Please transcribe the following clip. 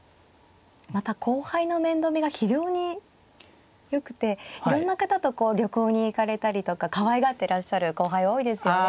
また後輩の面倒見が非常によくていろんな方とこう旅行に行かれたりとかかわいがってらっしゃる後輩多いですよね。